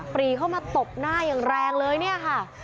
ปรีเข้ามาตบหน้าอย่างแรงเลยเนี่ยค่ะ